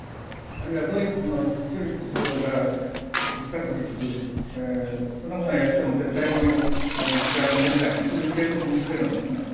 あるいはドイツのショルツ首相が一昨日、そんなものやっても絶対に西側は認めないと警告もしているんですね。